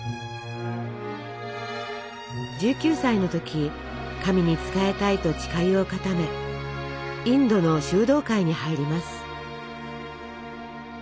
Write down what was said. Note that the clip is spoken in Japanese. １９歳の時神に仕えたいと誓いを固めインドの修道会に入ります。